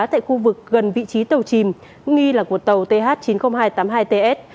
tại khu vực gần vị trí tàu chìm nghi là của tàu th chín mươi nghìn hai trăm tám mươi hai ts